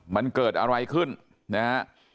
มันเกิดอะไรขึ้นนะฮะ